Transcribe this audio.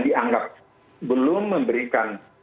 dianggap belum memberikan